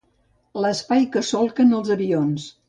L'espai que solquen els avions.